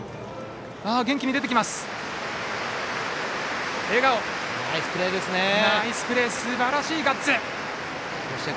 元気に出てきました。